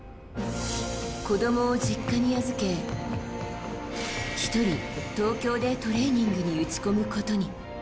子供を実家に預け、１人、東京でトレーニングに打ち込むことに。